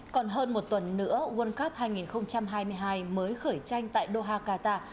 còn hơn một tuần nữa world cup hai nghìn hai mươi hai mới khởi tranh tại doha qatar